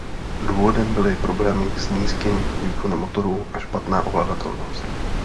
Důvodem byly problémy s nízkým výkonem motoru a špatná ovladatelnost.